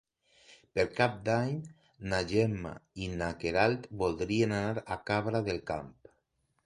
Per Cap d'Any na Gemma i na Queralt voldrien anar a Cabra del Camp.